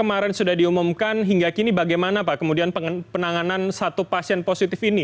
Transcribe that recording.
assalamualaikum selamat sore pak syahril